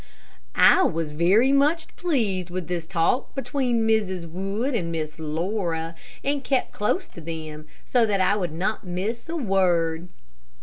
I was very much pleased with this talk between Mrs. Wood and Miss Laura, and kept close to them so that I would not miss a word.